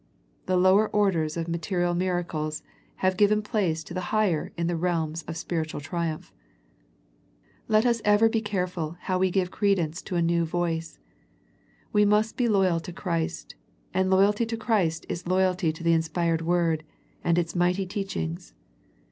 The lower orders of material miracles have given place to the higher in the realms of spiritual triumph. Let us ever be careful how we give credence to a new voice. We must be loyal to Christ, and loyalty to Christ is loyalty to the inspired Word, and its mighty teachings.